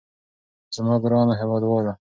زما ګرانو هېوادوالو.